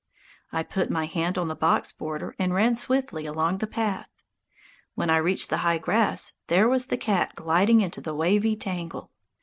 I put my hand on the box border and ran swiftly along the path. When I reached the high grass, there was the cat gliding into the wavy tangle.